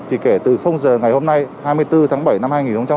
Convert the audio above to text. thì kể từ giờ ngày hôm nay hai mươi bốn tháng bảy năm hai nghìn hai mươi